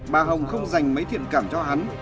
bà hồng không dành mấy thiện cảm cho hắn